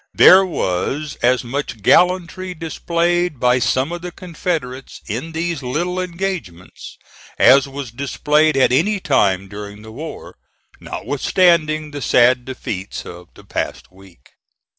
There was as much gallantry displayed by some of the Confederates in these little engagements as was displayed at any time during the war, notwithstanding the sad defeats of the past week.